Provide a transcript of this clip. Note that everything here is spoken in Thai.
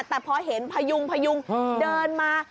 แต่พอเห็นพยุงเดินมา